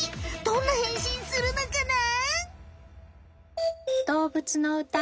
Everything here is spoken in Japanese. どんな変身するのかな？